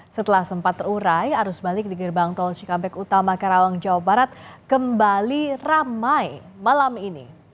setelah sempat terurai arus balik di gerbang tol cikampek utama karawang jawa barat kembali ramai malam ini